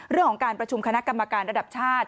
เรื่องของการประชุมคณะกรรมการระดับชาติ